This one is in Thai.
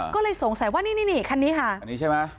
ก็เลยสงสัยว่านี่คันนี้ค่ะ